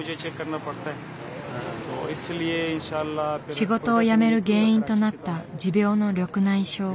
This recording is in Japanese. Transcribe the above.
仕事を辞める原因となった持病の緑内障。